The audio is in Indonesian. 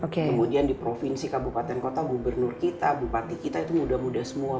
kemudian di provinsi kabupaten kota gubernur kita bupati kita itu muda muda semua